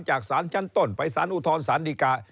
จากศาลชั้นต้นไปสารอุทธรสารดีกา